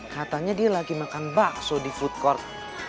katanya dia lagi makan bakso di food court